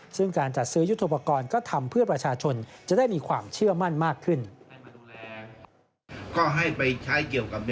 ซึ่งการจัดซื้อยุทธโปรกรณ์ก็ทำเพื่อประชาชนจะได้มีความเชื่อมั่นมากขึ้น